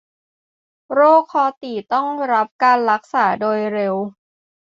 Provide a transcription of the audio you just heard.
โรคคอตีบต้องรับการรักษาโดยเร็ว